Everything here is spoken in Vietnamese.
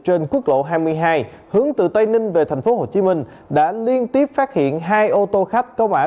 trên quốc lộ hai mươi hai hướng từ tây ninh về tp hcm đã liên tiếp phát hiện hai ô tô khách có bãi